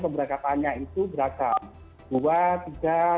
pemberkatannya itu beratkan